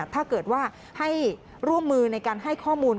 ถ้าเกิดว่าให้ร่วมมือในการให้ข้อมูล